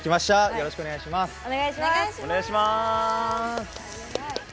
よろしくお願いします。